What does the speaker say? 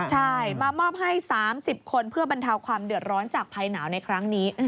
ใช่มามอบให้๓๐คนเพื่อบรรเทาความเดือดร้อนจากภัยหนาวในครั้งนี้